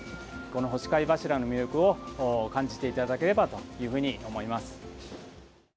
この干し貝柱の魅力を感じていただければというふうに思います。